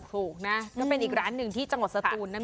ถูกนะก็เป็นอีกร้านหนึ่งที่จังหวัดสตูนนั่นเอง